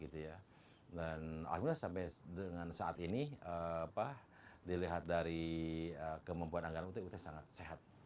dan alhamdulillah sampai dengan saat ini dilihat dari kemampuan anggaran ut ut sangat sehat